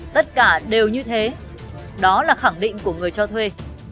tất cả đều như thế đó là khẳng định của người cho thuê